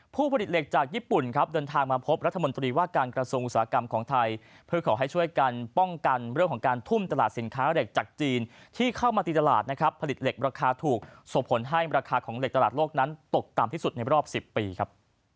ผู้ผลิตเหล็กจากญี่ปุ่นครับเดินทางมาพบรัฐมนตรีว่าการกระทรวงอุตสาหกรรมของไทยเพื่อขอให้ช่วยกันป้องกันเรื่องของการทุ่มตลาดสินค้าเหล็กจากจีนที่เข้ามาตีตลาดนะครับผลิตเหล็กราคาถูกส่งผลให้ราคาของเหล็กตลาดโลกนั้นตกต่ำที่สุดในรอบ๑๐ปีครับ